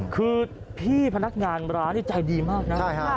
คือพี่พนักงานร้านใจดีมากนะ